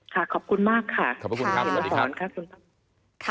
ค่ะขอบคุณมากค่ะขอบคุณครับสวัสดีครับ